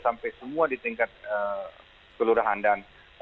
sampai semua di tingkat seluruh handaan